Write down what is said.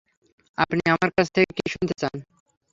আপনি আমার কাছ থেকে কী শুনতে চান?